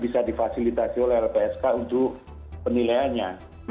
bisa difasilitasi oleh lpsk untuk penilaiannya